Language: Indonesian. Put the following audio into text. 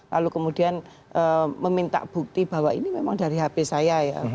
lalu kemudian meminta bukti bahwa ini memang dari hp saya ya